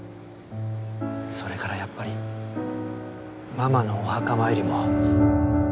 それからやっぱりママのお墓参りも。